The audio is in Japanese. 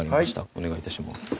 お願い致します